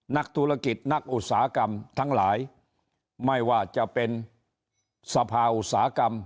นักธุรกิจนักอุตสาหกรรมทั้งหลายไม่ว่าจะเป็นสภาอุตสาหกรรม